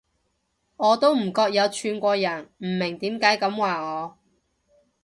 我都唔覺有串過人，唔明點解噉話我